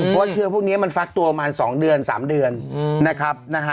เพราะว่าเชื้อพวกนี้มันฟักตัวประมาณ๒เดือน๓เดือนนะครับ